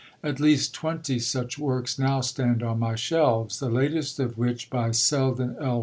At least twenty such works now stand on my shelves, the latest of which (by Selden L.